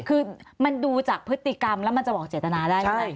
คือมันดูจากพฤติกรรมแล้วมันจะบอกเจตนาได้ใช่ไหม